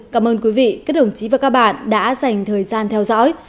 cảm ơn quý vị các đồng chí và các bạn đã dành thời gian theo dõi